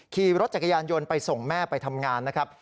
ขี่รถจักรยานยนต์ไปส่งแม่ไปทำงานนะครับ